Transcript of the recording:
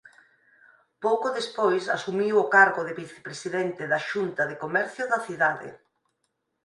Pouco despois asumiu o cargo de vicepresidente da xunta de comercio da cidade.